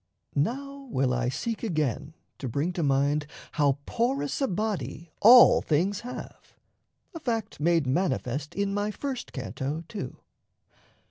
Now will I seek again to bring to mind How porous a body all things have a fact Made manifest in my first canto, too.